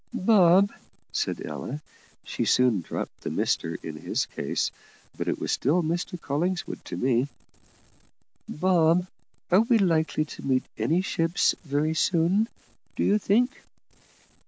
"Bob," said Ella (she soon dropped the Mr in his case, but it was still "Mr Collingwood" to me) "Bob, are we likely to meet any ships very soon, do you think?"